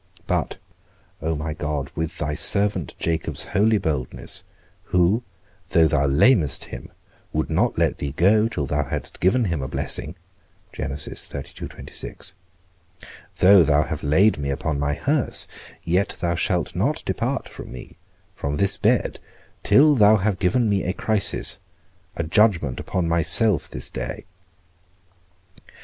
But, O my God, with thy servant Jacob's holy boldness, who, though thou lamedst him, would not let thee go till thou hadst given him a blessing; though thou have laid me upon my hearse, yet thou shalt not depart from me, from this bed, till thou have given me a crisis, a judgment upon myself this day.